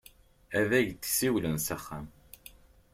Ad ak-d-siwlen s axxam.